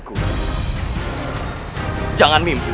ke bagian indah